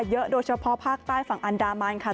โดยเฉพาะภาคใต้ฝั่งอันดามันค่ะ